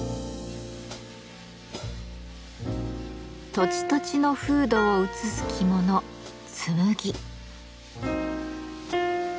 土地土地の風土を映す着物「紬」。